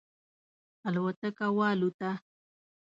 الوتکه والوته.